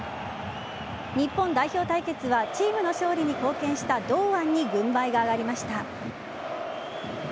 日本代表対決はチームの勝利に貢献した堂安に軍配が上がりました。